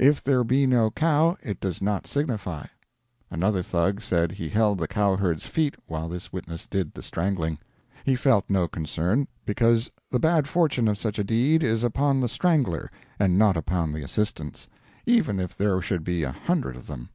If there be no cow it does not signify." Another Thug said he held the cowherd's feet while this witness did the strangling. He felt no concern, "because the bad fortune of such a deed is upon the strangler and not upon the assistants; even if there should be a hundred of them."